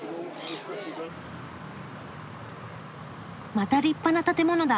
また立派な建物だ。